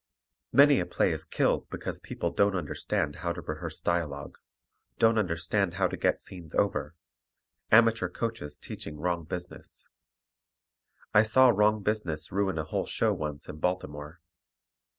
Many a play is killed because people don't understand how to rehearse dialogue, don't understand how to get scenes over; amateur coaches teaching wrong business. I saw wrong business ruin a whole show once in Baltimore.